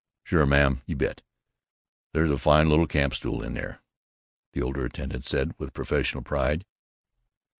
"Sure, ma'am, you bet. There's a fine little camp stool in there," the older attendant said, with professional pride.